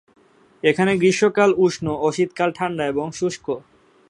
এখানে গ্রীষ্মকাল উষ্ণ ও শীতকাল ঠাণ্ডা এবং শুষ্ক।